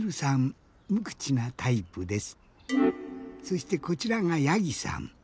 そしてこちらがやぎさん。